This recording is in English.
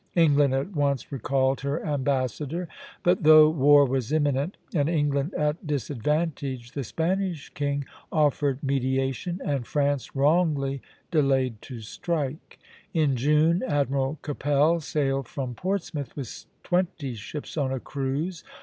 England at once recalled her ambassador; but though war was imminent and England at disadvantage, the Spanish king offered mediation, and France wrongly delayed to strike. In June, Admiral Keppel sailed from Portsmouth, with twenty ships, on a cruise.